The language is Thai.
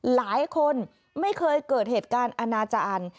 หลายคนไม่เคยเกิดเหตุการณ์อนาจารย์